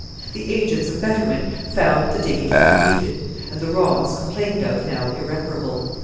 The agents of betterment found the diggings depleted, and the wrongs complained of now irreparable.